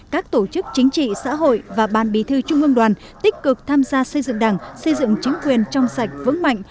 các tổ chức chính trị xã hội và ban bí thư trung ương đoàn tích cực tham gia xây dựng đảng xây dựng chính quyền trong sạch vững mạnh